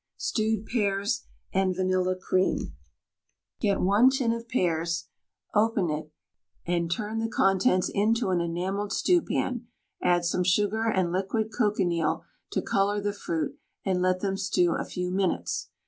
STEWED PEARS AND VANILLA CREAM. Get 1 tin of pears, open it, and turn the contents into an enamelled stewpan, add some sugar and liquid cochineal to colour the fruit, and let them stew a few minutes.